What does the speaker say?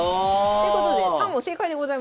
ということで３問正解でございます。